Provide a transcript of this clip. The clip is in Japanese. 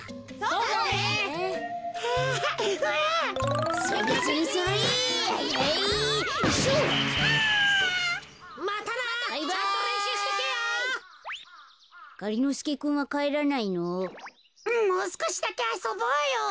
うんもうすこしだけあそぼうよ。